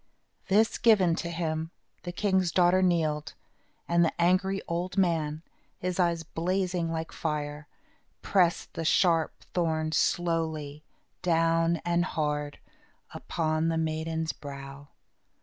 This given to him, the king's daughter kneeled, and the angry old man, his eyes blazing like fire, pressed the sharp thorns slowly, down and hard, upon the maiden's brow.